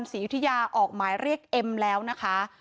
ศรียุธยาออกหมายเรียกเอ็มแล้วนะคะ